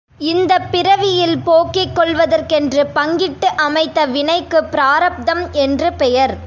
இந்தப் பிறவியில் போக்கிக் கொள்வதற்கென்று பங்கிட்டு அமைத்த வினைக்குப் பிராரப்தம் என்று பெயர்.